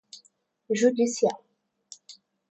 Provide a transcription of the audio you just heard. judicial